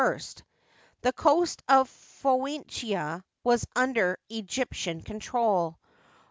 The coast of Phoenicia was under Egyptian control.